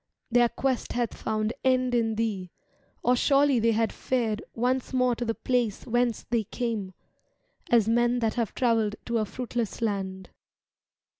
Their quest hath found end in thee. Or surely they had fared Once more to the place whence they came. As men that have travelled to a fruitless land.